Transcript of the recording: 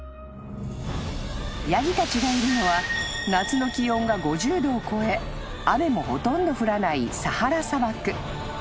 ［ヤギたちがいるのは夏の気温が５０℃を超え雨もほとんど降らない］